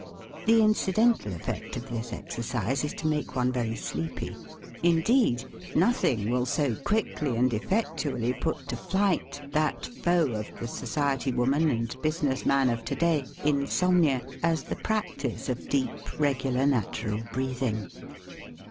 The incidental effect of this exercise is to make one very sleepy. Indeed, nothing will so quickly and effectually put to flight that foe of the society w r oman and business man of to day, insomnia, as the practice of deep, regular, natural breathing.